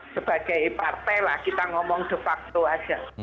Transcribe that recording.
sebagai partai lah kita ngomong de facto aja